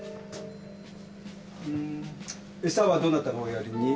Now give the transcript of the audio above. んーエサはどなたがおやりに？